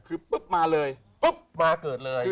คือปุ๊บมาเลยปุ๊บมาเกิดเลย